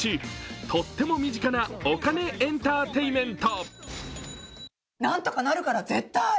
とっても身近なお金エンターテインメント。